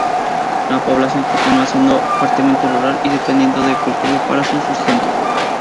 La población continúa siendo fuertemente rural y dependiente del cultivo para su sustento.